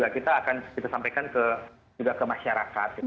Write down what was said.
kita akan kita sampaikan juga ke masyarakat